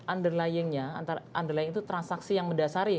underlying itu transaksi yang mendasari